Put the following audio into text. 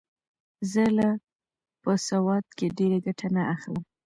زه له په سواد کښي ډېره ګټه نه اخلم.